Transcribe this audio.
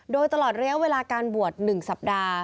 โดยตลอดระยะเวลาการบวช๑สัปดาห์